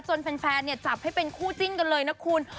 แฟนจับให้เป็นคู่จิ้นกันเลยนะคุณ